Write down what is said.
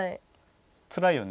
つらいよね。